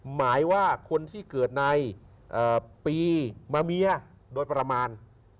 หมายว่าคนที่เกิดในปีมาเมียโดยประมาณ